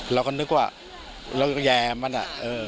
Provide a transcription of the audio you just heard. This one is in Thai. เราก็นึกว่าเราแย่มันอะ